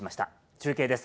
中継です。